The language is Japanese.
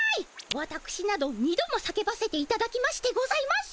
わたくしなど２度も叫ばせていただきましてございます。